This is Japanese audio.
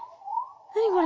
何これ？